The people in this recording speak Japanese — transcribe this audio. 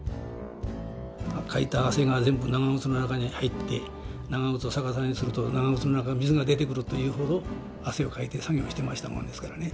かいた汗が全部長靴の中に入って長靴を逆さにすると長靴の中水が出てくるというほど汗をかいて作業してましたもんですからね。